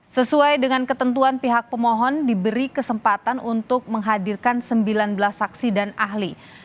sesuai dengan ketentuan pihak pemohon diberi kesempatan untuk menghadirkan sembilan belas saksi dan ahli